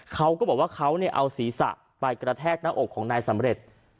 เขาก็บอกว่าเขาเอาศีรษะไปกระแทกหน้าอกของนายสำเร็จ